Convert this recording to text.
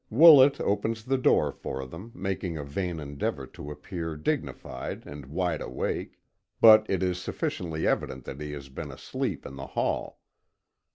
Woolet opens the door for them, making a vain endeavor to appear dignified and wide awake. But it is sufficiently evident that he has been asleep in the hall.